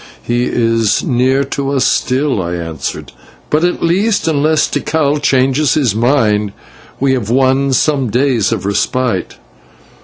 "He is near to us still," I answered, "but at least, unless Tikal changes his mind, we have won some days of respite."